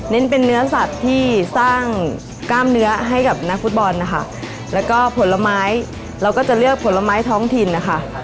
เป็นเนื้อสัตว์ที่สร้างกล้ามเนื้อให้กับนักฟุตบอลนะคะแล้วก็ผลไม้เราก็จะเลือกผลไม้ท้องถิ่นนะคะ